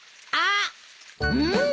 うん！